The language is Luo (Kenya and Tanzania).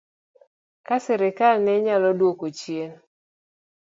Ka sirkal ne nyalo dwoko chien